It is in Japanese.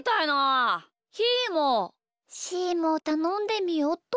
しーもたのんでみよっと。